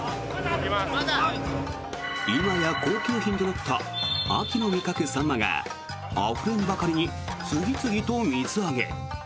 今や高級品となった秋の味覚サンマがあふれんばかりに次々と水揚げ。